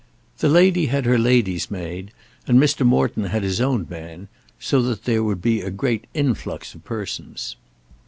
The lady had her lady's maid, and Mr. Morton had his own man; so that there would be a great influx of persons.